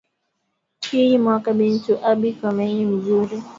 Iyi mwaka bintu abi komeye muzuri